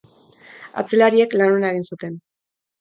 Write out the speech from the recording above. Atzelariek lan ona egin zuten.